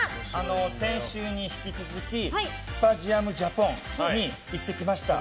先週に引き続きスパジアムジャポンに行ってきました。